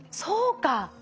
そうか。